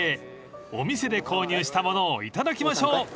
［お店で購入した物をいただきましょう］